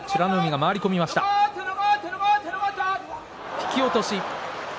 引き落とし。